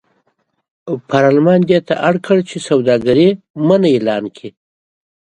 پارلمان دې ته اړ کړ چې سوداګري منع اعلان کړي.